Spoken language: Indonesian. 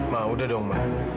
ma udah dong ma